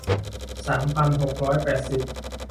สามพันหกร้อยแปดสิบ